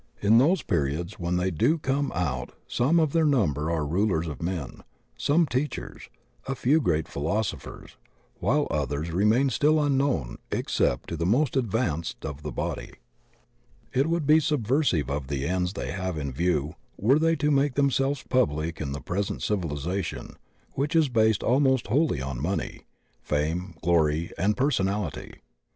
In those periods when they do come out some of their number are rulers of men, some teachers, a few great philosophers, while others re main still unknown except to the most advanced of the body. 4 THE cx:ean of theosophy It would be subversive of the ends they have in view were they to make themselves public in the pres ent civilization, which is based almost wholly on money, fame, glory, and personality.